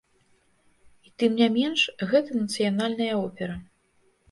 І, тым не менш, гэта нацыянальная опера.